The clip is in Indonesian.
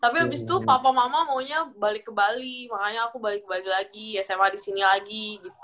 tapi abis itu papa mama maunya balik ke bali makanya aku balik balik lagi sma di sini lagi